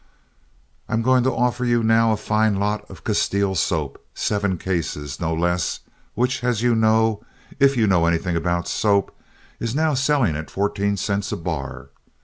"I am going to offer you now a fine lot of Castile soap—seven cases, no less—which, as you know, if you know anything about soap, is now selling at fourteen cents a bar.